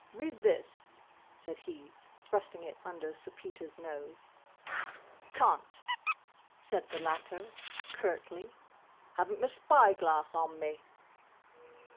Read this!" said he, thrusting it under Sir Peter's nose. "Can't," said the latter, curtly, "haven't my spy glass on me!"